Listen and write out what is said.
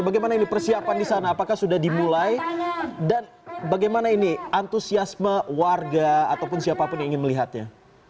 bagaimana ini persiapan di sana apakah sudah dimulai dan bagaimana ini antusiasme warga ataupun siapapun yang ingin melihatnya